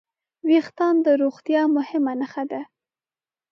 وېښتيان د روغتیا مهمه نښه ده.